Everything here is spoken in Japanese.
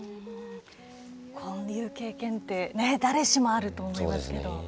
こういう経験って誰しもあると思いますけど。